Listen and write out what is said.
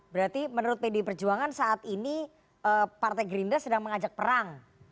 berarti menurut pdi perjuangan saat ini partai gerindra sedang mengajak perang